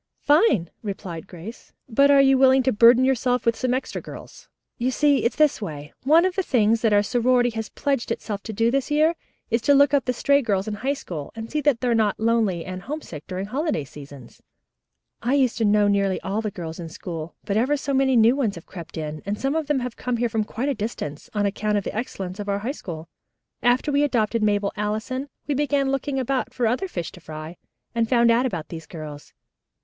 "Fine," replied Grace. "But are you willing to burden yourselves with some extra girls? You see it's this way. One of the things that our sorority has pledged itself to do this year is to look up the stray girls in High School, and see that they are not lonely and homesick during holiday seasons. I used to know nearly all the girls in school, but ever so many new ones have crept in, and some of them have come here from quite a distance, on account of the excellence of our High School. After we adopted Mabel Allison, we began looking about us for other fish to fry, and found out about these girls.